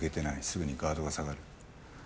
すぐにガードが下がる。